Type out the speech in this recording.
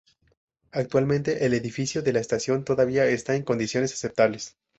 Actualmente el edificio de la estación todavía está en condiciones aceptables.